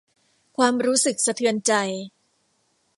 ความรู้สึกสะเทือนใจ